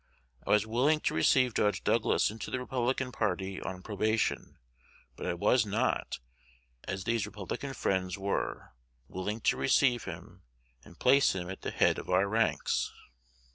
I was willing to receive Judge Douglas into the Republican party on probation; but I was not, as these Republican friends were, willing to receive him, and place him at the head of our ranks."